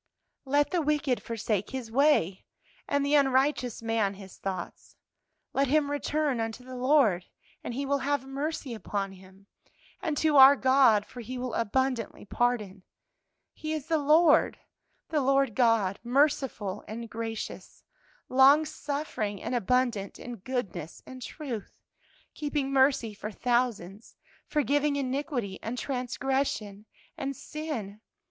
"'Let the wicked forsake his way, and the unrighteous man his thoughts; let him return unto the Lord, and He will have mercy upon him, and to our God, for He will abundantly pardon.' "'He is the Lord, the Lord God, merciful and gracious, long suffering and abundant in goodness and truth, keeping mercy for thousands, forgiving iniquity and transgression and sin.'